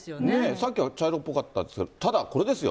さっきは茶色っぽかったですけれども、ただ、これですよ。